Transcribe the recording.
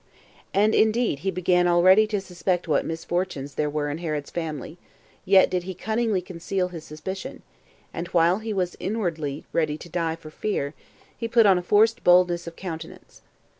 And indeed he began already to suspect what misfortunes there were in Herod's family; yet did he cunningly conceal his suspicion; and while he was inwardly ready to die for fear, he put on a forced boldness of countenance.